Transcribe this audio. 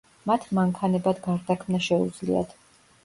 მათ მანქანებად გარდაქმნა შეუძლიათ.